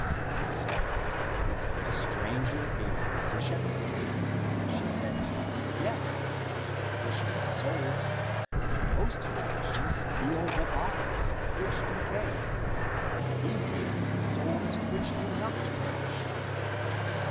He said, "Is the stranger a physician?" She said, *' Yes, a physician of souls. Most physi cians heal the bodies, which decay ; but he heals the souls, which do not perish."